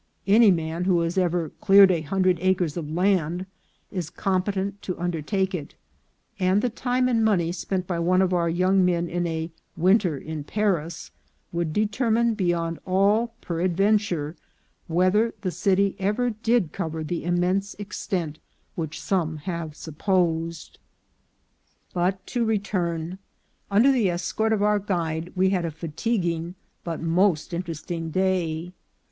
Any man who has ever "cleared" a hundred acres of land is competent to undertake it, and the time and money spent by one of our young men in a " winter in Paris" would determine beyond all peradventure whether the city ever did cover the im mense extent which some have supposed. But to return : Under the escort of our guide we had a fatiguing but most interesting day.